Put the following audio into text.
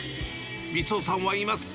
三夫さんは言います。